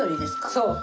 そう。